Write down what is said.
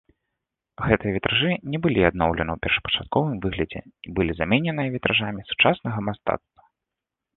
Гэтыя вітражы не былі адноўлены ў першапачатковым выглядзе і былі замененыя вітражамі сучаснага мастацтва.